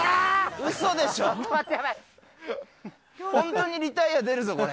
本当にリタイア出るぞ、これ。